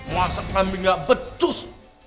masak kambing gak becus